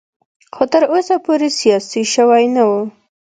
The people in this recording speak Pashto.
خو تر اوسه پورې سیاسي شوی نه و.